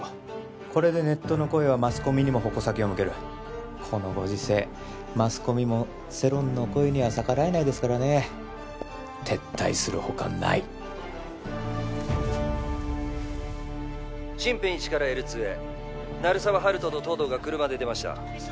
これでネットの声はマスコミにも矛先を向けるこのご時世マスコミも世論の声には逆らえないですからね撤退するほかないシンペン１からＬ２へ鳴沢温人と東堂が車で出ました